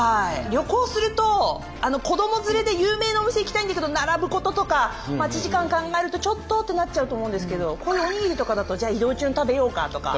旅行すると子ども連れで有名なお店行きたいんだけど並ぶこととか待ち時間考えるとちょっとってなっちゃうと思うんですけどこのおにぎりとかだとじゃあ移動中に食べようかとか。